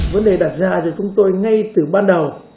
vấn đề đặt ra cho chúng tôi ngay từ ban đầu